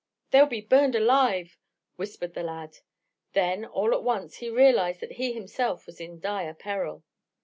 "They'll be burned alive!" whispered the lad. Then, all at once he realized that he himself was in dire peril.